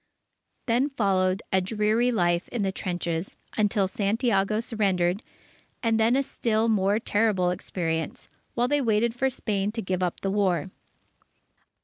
Then followed a dreary life in the trenches, until Santiago surrendered, and then a still more terrible experience, while they waited for Spain to give up the war.